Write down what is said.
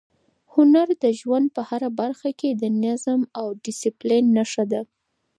هنر د ژوند په هره برخه کې د نظم او ډیسپلین نښه ده.